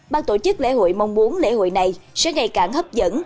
ban tổ chức lễ hội mong muốn lễ hội này sẽ ngày càng hấp dẫn